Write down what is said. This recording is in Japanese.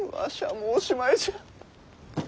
もうおしまいじゃ。